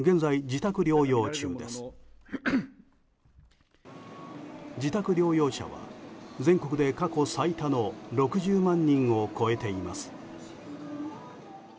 自宅療養者は全国で過去最多の６０万人を超えています。